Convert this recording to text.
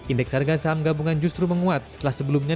indeks harga saham gabungan justru menguat setelah sebelumnya